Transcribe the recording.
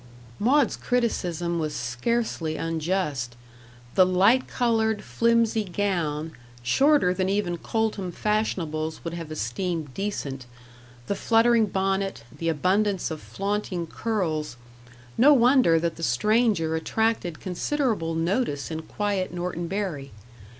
Maud's criticism was scarcely unjust. The light coloured flimsy gown, shorter than even Coltham fashionables would have esteemed decent, the fluttering bonnet, the abundance of flaunting curls no wonder that the stranger attracted considerable notice in quiet Norton Bury.